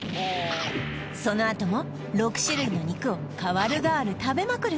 そのあとも６種類の肉をかわるがわる食べまくる